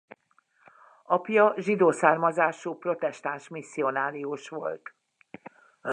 Apja zsidó származású protestáns misszionárius volt.